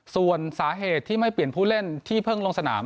ส่วนสาเหตุที่ไม่เปลี่ยนผู้เล่นที่เพิ่งลงสนาม